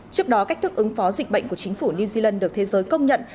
trước đó cách thức ứng phó dịch bệnh của chính phủ new zealand được thế giới công nhận